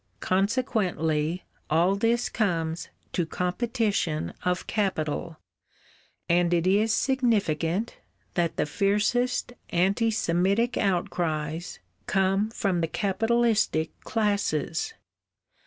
Consequently, all this comes to competition of capital, and it is significant that the fiercest anti Semitic outcries come from the capitalistic classes.